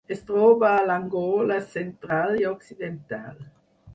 Es troba a l'Angola central i occidental.